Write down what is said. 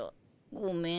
ごめん。